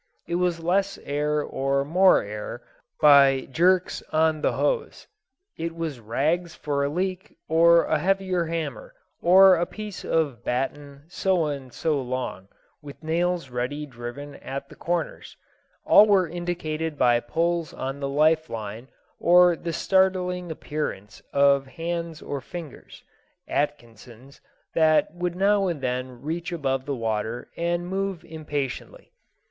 It was less air or more air, by jerks on the hose. It was rags for a leak, or a heavier hammer, or a piece of batten so and so long, with nails ready driven at the corners all were indicated by pulls on the life line or the startling appearance of hands or fingers (Atkinson's), that would now and then reach above water and move impatiently.